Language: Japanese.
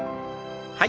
はい。